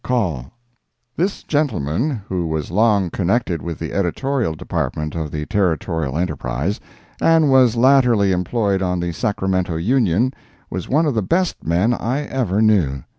—Call. This gentleman, who was long connected with the editorial department of the Territorial Enterprise, and was latterly employed on the Sacramento Union, was one of the best men I ever knew.